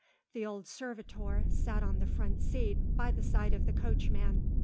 The old servitor sat on the front seat, by the side of the coachman.